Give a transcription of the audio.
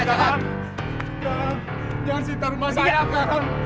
kang jangan singtar rumah saya kang